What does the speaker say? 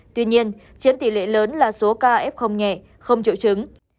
tuy nhiên chiếm tỷ lệ lớn là số ca f nhẹ không triệu chứng